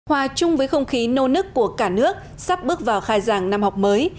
hòa chung với không khí nô nức của cả nước sắp bước vào khai giảng năm học mới